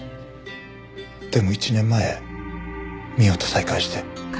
でも１年前美緒と再会して。